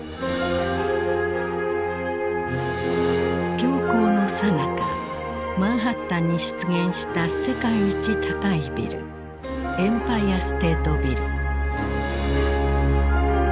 恐慌のさなかマンハッタンに出現した世界一高いビルエンパイアステートビル。